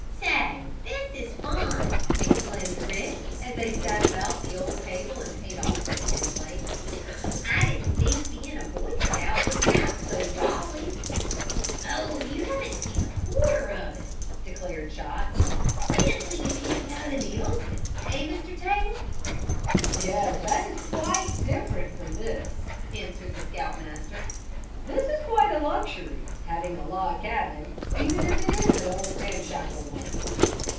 "Say, this is fun!" exclaimed Rick, as they sat about the old table and ate off their tin plates. "I didn't think being a Boy Scout was half so jolly!" "Oh, you haven't seen a quarter of it!" declared Chot. "Wait until you camp out in the open; eh, Mr. Taylor?" "Yes, that is quite different from this," answered the Scout Master. "This is quite a luxury, having a log cabin, even if it is an old ramshackle one."